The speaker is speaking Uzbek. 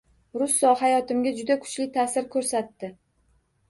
Russo hayotimga juda kuchli ta’sir ko’rsatdi.